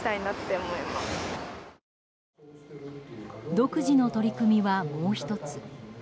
独自の取り組みは、もう１つ。